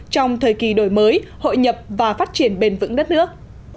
trong thời kỳ đổi mới hội nhập và phát triển bền vững đất nước